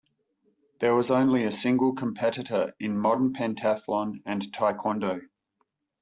There was only a single competitor in modern pentathlon and taekwondo.